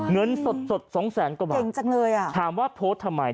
เงินสดสดสองแสนกว่าบาทเก่งจังเลยอ่ะถามว่าโพสต์ทำไม